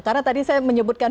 karena tadi saya menyebutkan